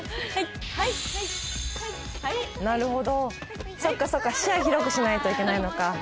はいはいなるほどそっかそっか視野広くしないといけないのか